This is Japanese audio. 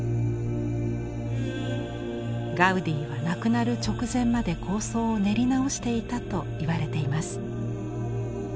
ガウディは亡くなる直前まで構想を練り直していたといわれています。